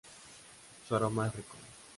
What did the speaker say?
Su aroma es rico.